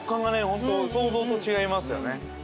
ホント想像と違いますよね。